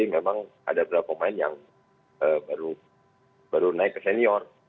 memang ada beberapa pemain yang baru naik ke senior